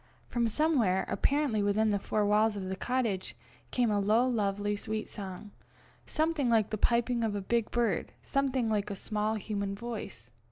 From somewhere, apparently within the four walls of the cottage, came a low lovely sweet song something like the piping of a big bird, something like a small human voice.